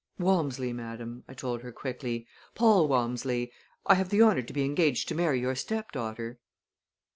"Walmsley, madam," I told her quickly, "Paul Walmsley. I have the honor to be engaged to marry your stepdaughter."